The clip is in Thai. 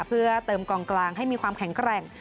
เพื่อเติมกองกลางให้มีความแข็งแกร่ง